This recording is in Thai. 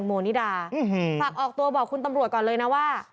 ออกตัวบอกคุณตำรวจก่อนเลยนะว่า